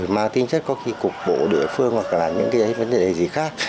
mang tính chất có khi cục bộ địa phương hoặc là những cái vấn đề gì khác